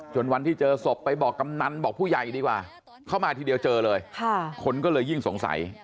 วันที่เจอศพไปบอกกำนันบอกผู้ใหญ่ดีกว่าเข้ามาทีเดียวเจอเลยคนก็เลยยิ่งสงสัย